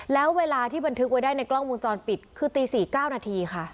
แล้วเวลาที่บันทึกไว้ได้ในกล้องวงจรปิดคือตี๔๙นาทีค่ะ